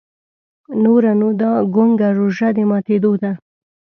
نوره نو دا ګونګه روژه د ماتېدو ده.